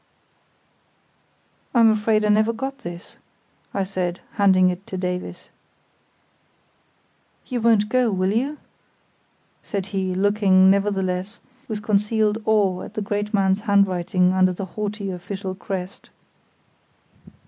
"I'm afraid I never got this!" I said, handing it to Davies. "You won't go, will you?" said he, looking, nevertheless, with unconcealed awe at the great man's handwriting under the haughty official crest.